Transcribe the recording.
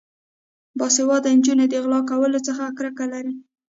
باسواده نجونې د غلا کولو څخه کرکه لري.